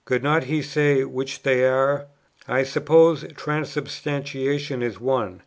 Could not he say which they are? I suppose Transubstantiation is one.